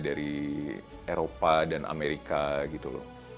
dari eropa dan amerika gitu loh